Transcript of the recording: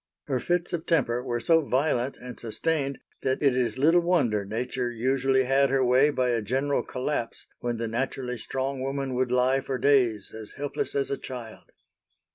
Her fits of temper were so violent and sustained that it is little wonder Nature usually had her way by a general collapse, when the naturally strong woman would lie for days as helpless as a child.